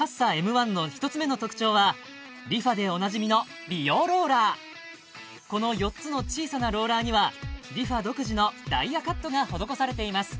１の一つ目の特徴はＲｅＦａでおなじみのこの４つの小さなローラーにはＲｅＦａ独自のダイヤカットが施されています